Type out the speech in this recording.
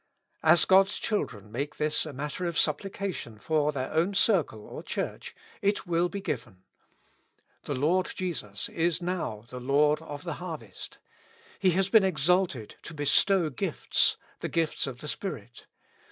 As God's children make this a matter of supplication for their own circle or Church, it will be given. The Lord Jesus is now Lord of the harvest. He has been exalted to bestow gifts — the gifts of the Spirit.